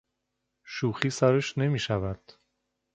شوخی سرش نمیشود.